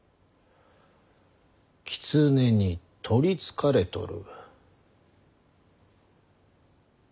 狐に取りつかれとる。